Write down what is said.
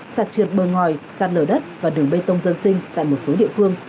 sạt trượt bờ ngòi sạt lở đất và đường bê tông dân sinh tại một số địa phương